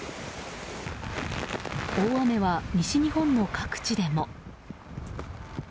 大雨は、西日本の各地でも。